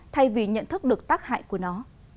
thay vì nhận thức được tác hại của nó